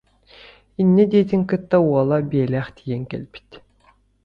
» Инньэ диэтин кытта уола биэлээх тиийэн кэлбит